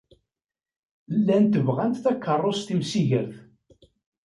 Llant bɣant takeṛṛust timsigert.